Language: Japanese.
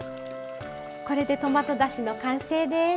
これでトマトだしの完成です。